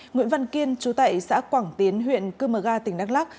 nguyễn văn kiên chú tại xã quảng tiến huyện cư mờ ga tỉnh đắk lắc